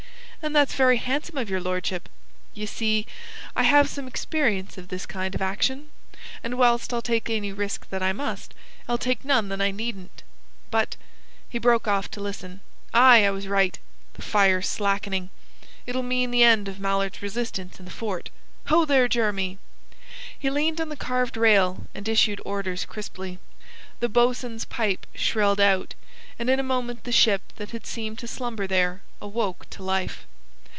"And that's very handsome of your lordship. Ye see, I have some experience of this kind of action, and whilst I'll take any risk that I must, I'll take none that I needn't. But...." He broke off to listen. "Aye, I was right. The fire's slackening. It'll mean the end of Mallard's resistance in the fort. Ho there, Jeremy!" He leaned on the carved rail and issued orders crisply. The bo'sun's pipe shrilled out, and in a moment the ship that had seemed to slumber there, awoke to life.